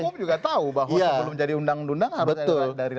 hukum juga tahu bahwa sebelum jadi undang undang harus dari rancangan